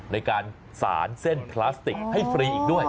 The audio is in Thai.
ในการสารเส้นพลาสติกให้ฟรีอีกด้วย